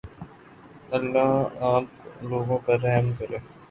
اللہ آپ لوگوں پر رحم کرے